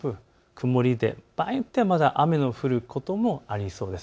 曇りで場合によっては雨の降ることもありそうです。